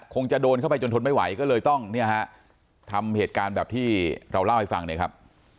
คงจะโดนเข้าไปจนทนไม่ไหวก็เลยต้องเนี่ยฮะทำเหตุการณ์แบบที่เราเล่าให้ฟังเนี่ยครับ